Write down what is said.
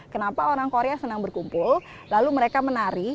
kenapa orang korea senang berkumpul lalu mereka menari